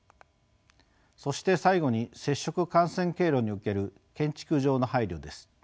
そして最後に接触感染経路における建築上の配慮です。